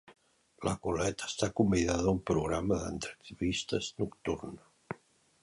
La Coilette està convidada a un programa d'entrevistes nocturn.